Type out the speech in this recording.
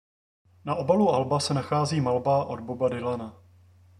Na obalu alba se nachází malba od Boba Dylana.